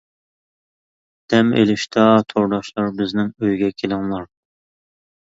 دەم ئېلىشتا تورداشلار، بىزنىڭ ئۆيگە كېلىڭلار.